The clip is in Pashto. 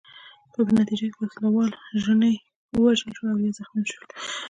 په نتیجه کې وسله وال ژڼي ووژل شول او یا زخمیان شول.